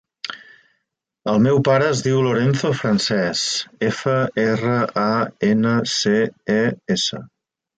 El meu pare es diu Lorenzo Frances: efa, erra, a, ena, ce, e, essa.